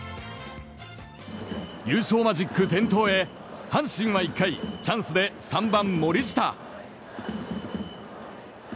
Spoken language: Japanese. マジック点灯へ阪神は１回チャンスで３番、森下。